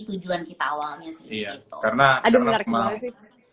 tujuan kita awalnya sih